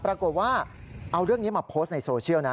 ปรากฏว่าเอาเรื่องนี้มาโพสต์ในโซเชียลนะ